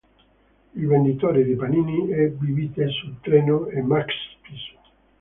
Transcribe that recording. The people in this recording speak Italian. Il venditore di panini e bibite sul treno è Max Pisu.